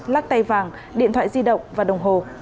lắc tay vàng điện thoại di động và đồng hồ